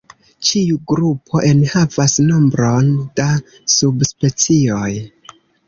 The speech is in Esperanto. Ĉiu grupo enhavas nombron da subspecioj.